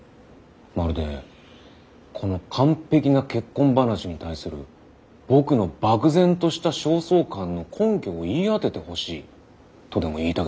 まるで「この完璧な結婚話に対する僕の漠然とした焦燥感の根拠を言い当ててほしい」とでも言いたげだな。